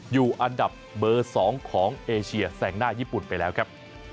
อยู่อันดับเบอร์๒ของเอเชียแสงหน้าญี่ปุ่นไปแล้วครับ